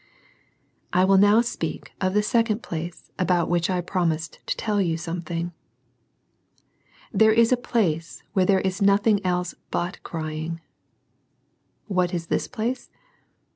II. I will now speak of the second plaa about which I promised to tell you something There is a place where there is nothin( J * .V ■• ELSE BUT "crying." What is this place